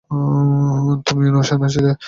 তুমিও নৌ-সেনায় ছিলে, তাই না?